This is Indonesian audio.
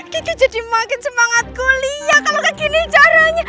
gitu jadi makin semangat kuliah kalau kayak gini caranya